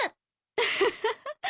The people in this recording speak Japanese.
ウフフフ。